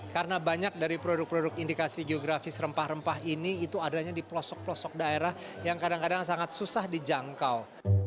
karena banyak dari produk produk indikasi geografis rempah rempah ini itu adanya di pelosok pelosok daerah yang kadang kadang sangat susah dijangkau